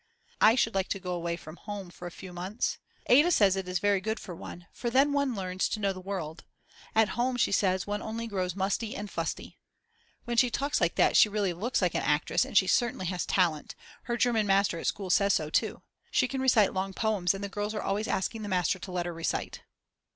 I should like to go away from home for a few months. Ada says it is very good for one, for then one learns to know the world; at home, she says, one only grows musty and fusty. When she talks like that she really looks like an actress and she certainly has talent; her German master at school says so too. She can recite long poems and the girls are always asking the master to let her recite.